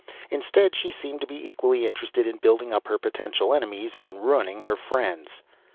Instead, she seemed to be equally interested in building up her potential enemies and ruining her friends.